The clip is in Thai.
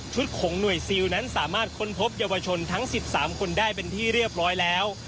ของหน่วยซิลนั้นสามารถค้นพบเยาวชนทั้ง๑๓คนได้เป็นที่เรียบร้อยแล้ว